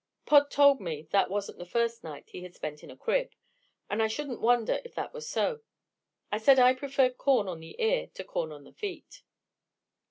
Pod told me that wasn't the first night he had spent in a crib. And I shouldn't wonder if that were so. I said I preferred corn on the ear to corn on the feet.